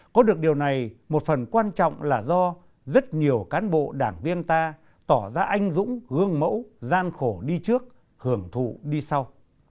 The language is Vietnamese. có được điều này một phần quan trọng là do rất nhiều cán bộ đảng viên ta tỏ ra anh dũng gương mẫu gian khổ đi trước hưởng thụ đi sau